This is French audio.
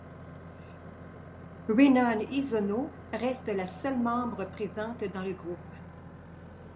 Rinon Isono reste la seule membre présente dans le groupe.